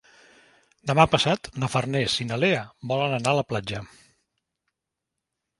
Demà passat na Farners i na Lea volen anar a la platja.